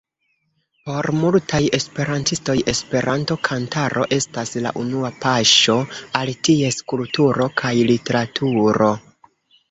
Por multaj esperantistoj Esperanto-kantaro estas la unua paŝo al ties kulturo kaj literaturo.